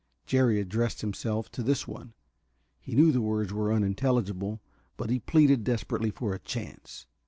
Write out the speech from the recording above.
Jerry addressed himself to this one. He knew the words were unintelligible, but he pleaded desperately for a chance.